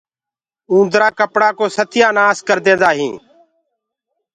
اُندرآ ڪپڙآ ڪو ستيآ نآس ڪرديندآ هينٚ۔